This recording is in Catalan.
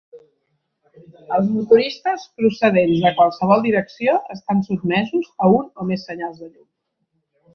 Els motoristes procedents de qualsevol direcció estan sotmesos a un o més senyals de llum.